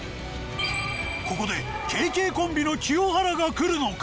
ここでＫＫコンビの清原がくるのか？